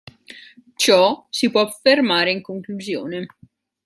Ciò si può affermare in conclusione.